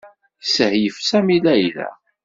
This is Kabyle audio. Yessehyef Sami Layla.